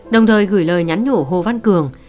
đồng thời gửi lời nhắn nhổ hồ văn cường